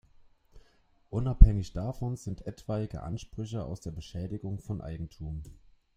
Unabhängig davon sind etwaige Ansprüche aus der Beschädigung von Eigentum.